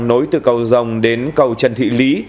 nối từ cầu rồng đến cầu trần thị lý